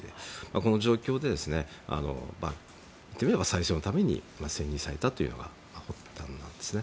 この状況で、言ってみれば選任されたというのが発端なんですね。